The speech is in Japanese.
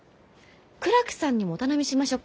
倉木さんにもお頼みしましょうか？